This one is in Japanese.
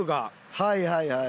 はいはいはい。